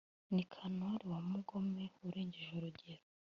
nikanori, wa mugome urengeje urugero